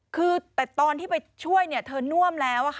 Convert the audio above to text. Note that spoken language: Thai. คือแต่ตอนที่ไปช่วยเธอน่วมแล้ว